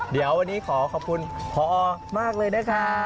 เดี๋ยววันนี้ขอขอบคุณพอมากเลยนะคะ